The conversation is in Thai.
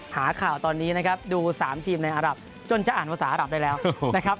หาข่าวตอนนี้นะครับดู๓ทีมในอารับจนจะอ่านภาษาอารับได้แล้วนะครับ